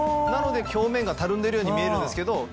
なので表面がたるんでるように見えるんですけど。